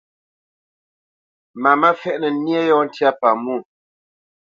Mamá fɛ́ʼnǝ nyé yɔ̂ ntyá pamwô.